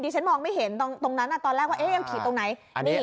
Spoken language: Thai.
ฉันมองไม่เห็นตรงนั้นตอนแรกว่ายังขีดตรงไหน